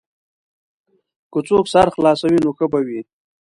که څوک سر خلاصوي نو ښه به وي.